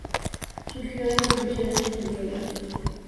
Surgió de las divisiones inferiores de Estudiantes de La Plata.